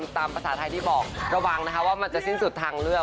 ตามภาษาไทยที่บอกระวังนะคะว่ามันจะสิ้นสุดทางเลือก